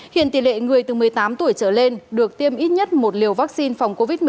hiện tỷ lệ người từ một mươi tám tuổi trở lên được tiêm ít nhất một liều vaccine phòng covid một mươi chín